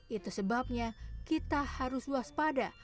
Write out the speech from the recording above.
itu sebabnya kita harus waspada